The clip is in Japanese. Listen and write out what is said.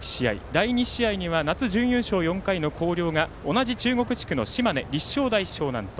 第２試合には夏に準優勝４回の広陵が同じ中国地区の島根・立正大淞南と。